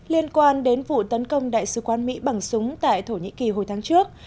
liên quan đến vụ tấn công đại sứ quán mỹ bằng súng tại thổ nhĩ kỳ hồi tháng trước